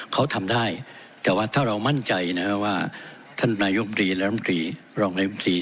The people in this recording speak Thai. เขาทำได้แต่ว่าถ้าเรามั่นใจนะครับว่าท่านนายกรมนตรีและรัฐมนตรี